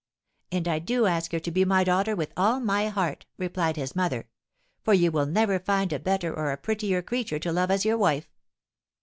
'And I do ask her to be my daughter with all my heart,' replied his mother, 'for you will never find a better or a prettier creature to love as your wife.'